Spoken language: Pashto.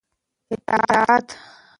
اطاعت